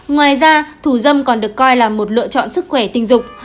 ngoài ra thủ dâm còn được coi là một lựa chọn sức khỏe tình dục